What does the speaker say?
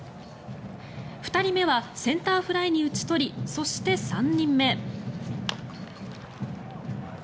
２人目はセンターフライに打ち取りそして３人目。